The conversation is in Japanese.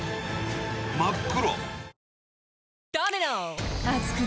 真っ黒。